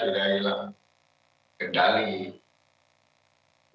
nah pada saat itulah saya sudah hilang